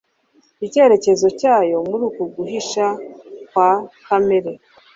icyerekezo cyayo muri uku guhisha kwa kamere